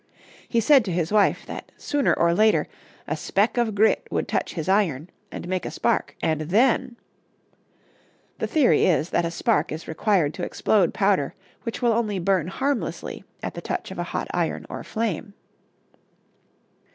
He said to his wife that sooner or later a speck of grit would touch his iron and make a spark, and then The theory is that a spark is required to explode powder which will only burn harmlessly at the touch of a hot iron or a flame.